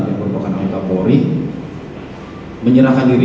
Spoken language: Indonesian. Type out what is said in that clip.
yang merupakan antapori menyerahkan diri